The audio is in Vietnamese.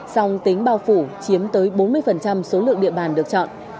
song tính bao phủ chiếm tới bốn mươi số lượng địa bàn được chọn